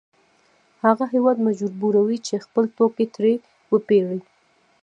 هغه هېواد مجبوروي چې خپل توکي ترې وپېري